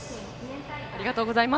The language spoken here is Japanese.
ありがとうございます。